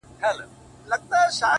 چي سترگو ته يې گورم؛ وای غزل لیکي؛